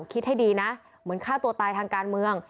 คิดให้ดีนะเหมือนฆ่าตัวตายทางการเมือง